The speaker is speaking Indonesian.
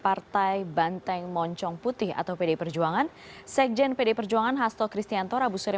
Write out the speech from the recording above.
partai banteng moncong putih atau pdi perjuangan sekjen pdi perjuangan hasto kristianto rabu sering